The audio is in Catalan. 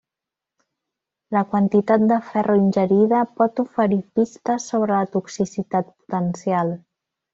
La quantitat de ferro ingerida pot oferir pistes sobre la toxicitat potencial.